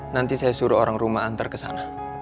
nanti saya suruh orang rumah antar kesana